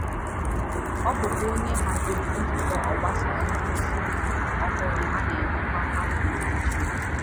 O bukwa onye haziri Nzukọ Mgbasaozi ohuru ana eme kwa afo na Naijria.